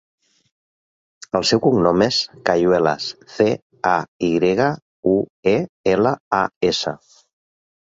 El seu cognom és Cayuelas: ce, a, i grega, u, e, ela, a, essa.